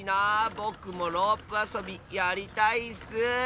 ぼくもロープあそびやりたいッス！